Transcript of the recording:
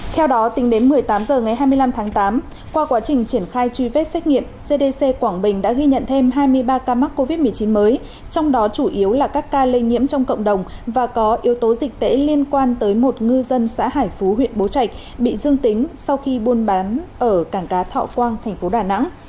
theo đó tính đến một mươi tám h ngày hai mươi năm tháng tám qua quá trình triển khai truy vết xét nghiệm cdc quảng bình đã ghi nhận thêm hai mươi ba ca mắc covid một mươi chín mới trong đó chủ yếu là các ca lây nhiễm trong cộng đồng và có yếu tố dịch tễ liên quan tới một ngư dân xã hải phú huyện bố trạch bị dương tính sau khi buôn bán ở cảng cá thọ quang thành phố đà nẵng